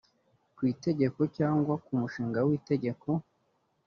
ku itegeko cyangwa ku mushinga w itegeko